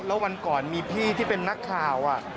แล้ววันก่อนมีพี่ที่เป็นนักข่าว